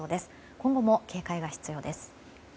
今後も警戒が必要です。